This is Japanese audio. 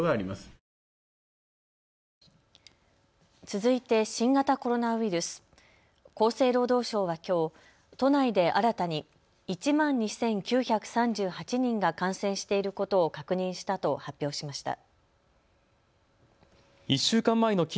続いて新型コロナウイルス、厚生労働省はきょう都内で新たに１万２９３８人が感染していることを確認したと発表しました。